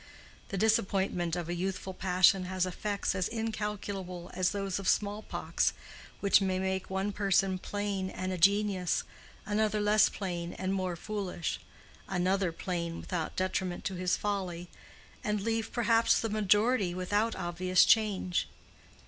The disappointment of a youthful passion has effects as incalculable as those of small pox which may make one person plain and a genius, another less plain and more foolish, another plain without detriment to his folly, and leave perhaps the majority without obvious change.